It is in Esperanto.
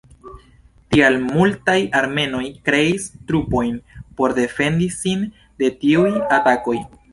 Tial, multaj armenoj kreis trupojn por defendi sin de tiuj atakoj.